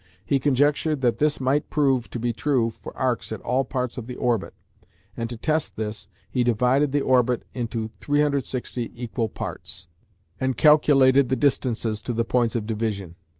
He conjectured that this might prove to be true for arcs at all parts of the orbit, and to test this he divided the orbit into 360 equal parts, and calculated the distances to the points of division.